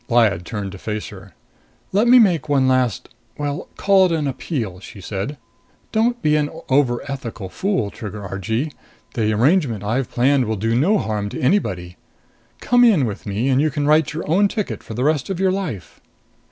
Lyad turned to face her. "Let me make one last well, call it an appeal," she said. "Don't be an overethical fool, Trigger Argee! The arrangement I've planned will do no harm to anybody. Come in with me, and you can write your own ticket for the rest of your life."